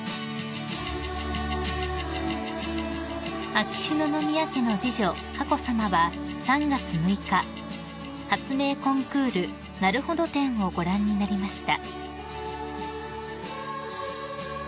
［秋篠宮家の次女佳子さまは３月６日発明コンクールなるほど展をご覧になりました］